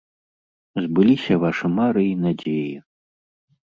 Збыліся вашы мары і надзеі.